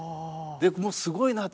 でもうすごいなと。